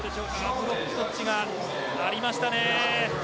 ブロックタッチはありましたか。